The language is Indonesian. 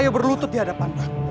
ayah berlutut di hadapanmu